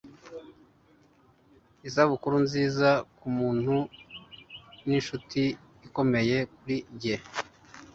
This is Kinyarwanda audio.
isabukuru nziza kumuntu ninshuti ikomeye kuri njye